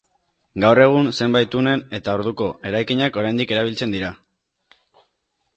Gaur egun, zenbait tunel eta orduko eraikinak oraindik erabiltzen dira.